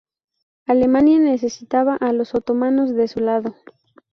Alemania necesitaba a los otomanos de su lado.